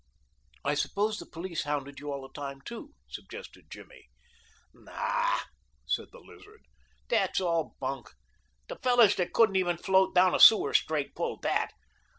"I suppose the police hounded you all the time, too," suggested Jimmy. "Naw," said the Lizard; "dat's all bunk. De fellows that couldn't even float down a sewer straight pull dat.